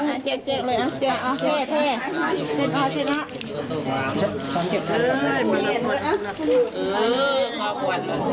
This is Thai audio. ตอนนี้ก็ไม่มีเวลาให้กลับมาเที่ยวกับเวลา